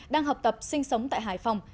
đang học tập sinh sống tại hải phòng